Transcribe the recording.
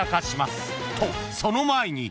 ［とその前に］